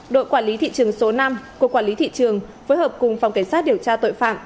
đội quản lý thị trường số năm của quản lý thị trường phối hợp cùng phòng cảnh sát điều tra tội phạm